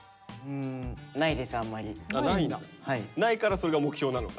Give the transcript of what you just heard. ないからそれが目標なのか。